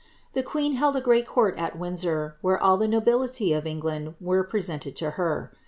The queen held a great court at Windsor, where all the nobility of England were presented to her.